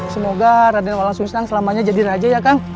semoga raden walang sungsang selamanya jadi raja ya kang